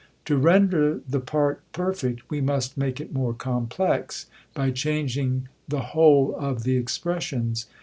To render the part perfect we must make it more complex, by changing the whole of the expressions.